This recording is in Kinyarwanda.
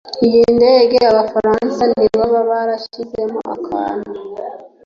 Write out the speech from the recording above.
Iyi ndege abafaransa ntibaba barashyizemo akantu?